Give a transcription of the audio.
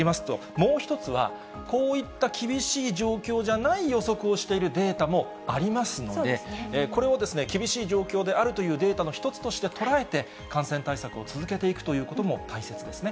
もう一つは、こういった厳しい状況じゃない予測をしているデータもありますので、これを厳しい状況であるというデータの一つとして捉えて、感染対策を続けていくということも大切ですね。